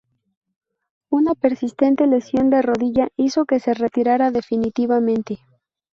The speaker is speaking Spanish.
Una persistente lesión de rodilla hizo que se retirara definitivamente.